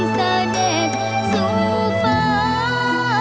ข้าองเฉฎสู้ฟ้า